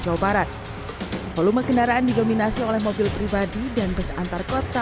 jawa barat volume kendaraan digominasi oleh mobil pribadi dan mobil mobil yang bergerak ke arah jawa barat